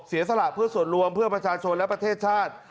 เสียสละเพื่อส่วนรวมเพื่อประชาชนและประเทศชาติ